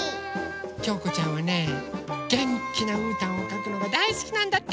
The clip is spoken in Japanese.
きょうこちゃんはねげんきなうーたんをかくのがだいすきなんだって！